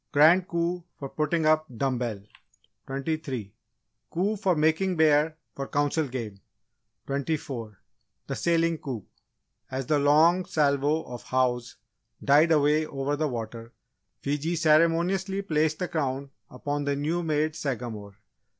Grand Coup for Putting Up Dumb bell 23. Coup for Making Bear for Council Game 24. The Sailing Coup. As the long salvo of "Hows!" died away over the water, Fiji ceremoniously placed the Crown upon the new made Sagamore.